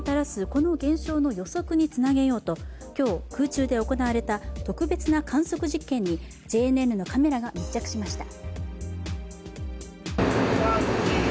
この現象の予測につなげようと今日、空中で行われた特別な観測実験にＪＮＮのカメラが密着しました。